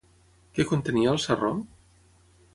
Què contenia el sarró?